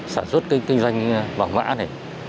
sản xuất kinh doanh vàng mã này